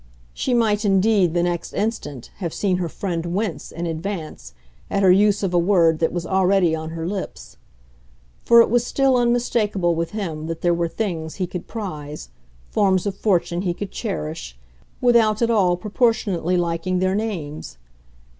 She might indeed, the next instant, have seen her friend wince, in advance, at her use of a word that was already on her lips; for it was still unmistakable with him that there were things he could prize, forms of fortune he could cherish, without at all proportionately liking their names.